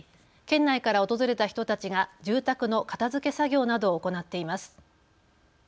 県内から訪れた人たちが住宅の片づけ作業などを行っています。